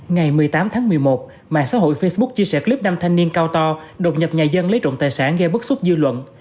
ngày một mươi tám tháng một mươi một mạng xã hội facebook chia sẻ clip năm thanh niên cao to đột nhập nhà dân lấy trộm tài sản gây bức xúc dư luận